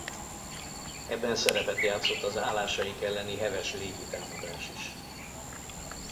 Ebben szerepet játszott az állásaik elleni heves légi támadás is.